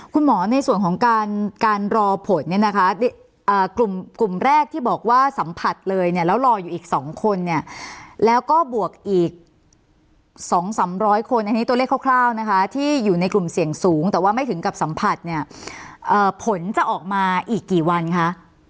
คุณหมอในส่วนของการรอผลเนี่ยนะคะกลุ่มแรกที่บอกว่าสัมผัสเลยเนี่ยแล้วรออยู่อีก๒คนเนี่ยแล้วก็บวกอีก๒๓๐๐คนอันนี้ตัวเลขคร่าวนะคะที่อยู่ในกลุ่มเสี่ยงสูงแต่ว่าไม่ถึงกับสัมผัสเนี่ยผลจะออกมาอีกกี่วันคะ